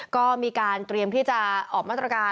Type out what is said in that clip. ก็มีการเตรียมที่จะออกมาตรการ